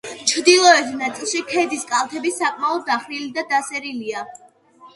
ჩრდილოეთ ნაწილში ქედის კალთები საკმაოდ დახრილი და დასერილია.